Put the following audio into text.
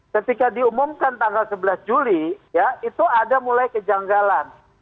ketika diumumkan tanggal sebelas juli ya itu ada mulai kejanggalan